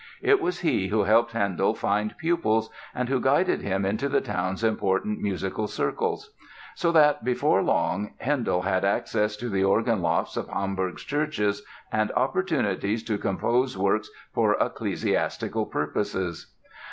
It was he who helped Handel find pupils and who guided him into the town's important musical circles. So that before long Handel had access to the organ lofts of Hamburg's churches and opportunities to compose works for ecclesiastical purposes.